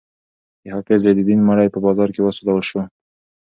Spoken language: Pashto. د حافظ زین الدین مړی په بازار کې وسوځول شو.